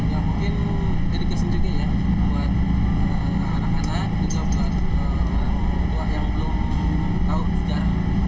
ya mungkin edukasi juga ya buat anak anak juga buat orang tua yang belum tahu sejarah